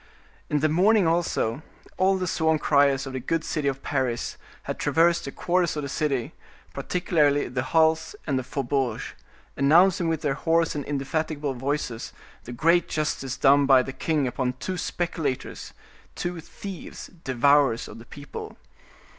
In the morning also, all the sworn criers of the good city of Paris had traversed the quarters of the city, particularly the halles and the faubourgs, announcing with their hoarse and indefatigable voices the great justice done by the king upon two speculators, two thieves, devourers of the people.